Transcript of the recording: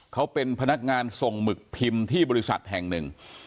เขาเป็นพนักงานส่งหมึกพิมพ์ที่บริษัทแห่งหนึ่ง